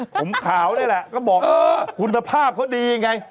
ผมขาวเลยแหละก็บอกคุณภาพเขาดีไง